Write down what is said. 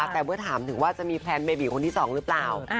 แต่เมื่อถามถึงว่าจะมีแพลนเบบีคนที่๒หรือเปล่า